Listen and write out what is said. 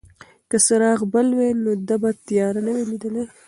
که څراغ بل وای نو ده به تیاره نه وای لیدلې.